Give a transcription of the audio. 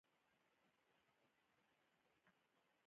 د بازار اقتصادي نظام چورلټ له منځه یووړل شو.